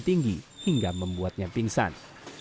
sehingga membuatnya pingsan